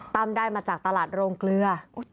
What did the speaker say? ได้มาจากตลาดโรงเกลือ